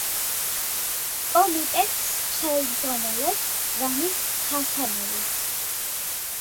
კომიტეტს ხელმძღვანელობს რამიზ ჰასანოვი.